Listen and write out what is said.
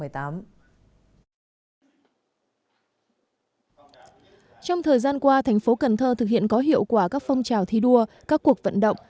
trong thời gian qua thành phố cần thơ thực hiện có hiệu quả các phong trào thi đua các cuộc vận động